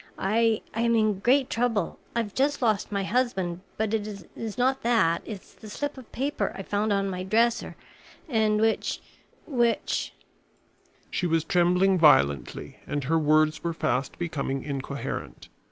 "I I am in great trouble. I have just lost my husband but it is not that. It is the slip of paper I found on my dresser, and which which " She was trembling violently and her words were fast becoming incoherent.